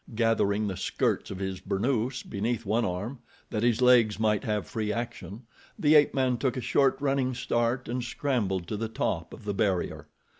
Gathering the skirts of his burnoose, beneath one arm, that his legs might have free action, the ape man took a short running start, and scrambled to the top of the barrier.